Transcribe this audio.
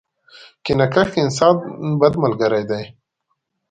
کینه کښ انسان ، بد ملګری دی.